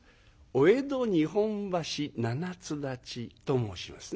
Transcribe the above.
「お江戸日本橋七ツ立ち」と申しますな。